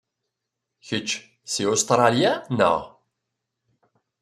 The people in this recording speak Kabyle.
Kečč seg Ustṛalya, naɣ?